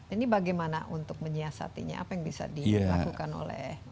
ini bagaimana untuk menyiasatinya apa yang bisa dilakukan oleh